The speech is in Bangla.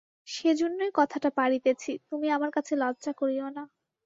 সেইজন্যই কথাটা পাড়িতেছি, তুমি আমার কাছে লজ্জা করিয়ো না।